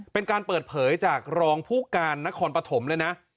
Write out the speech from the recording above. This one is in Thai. เป็นการเปิดเผยจากรองผู้การนครปฐมเลยนะ